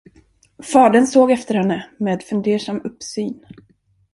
Fadern såg efter henne med fundersam uppsyn.